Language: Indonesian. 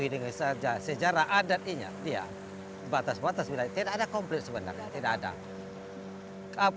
ini saja sejarah adat iya batas batas wilayah tidak ada konflik sebenarnya tidak ada